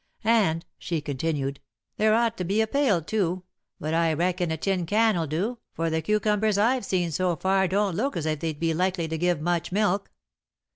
And," she continued, "they'd ought to be a pail too, but I reckon a tin can'll do, for the cucumbers I've seen so far don't look as if they'd be likely to give much milk.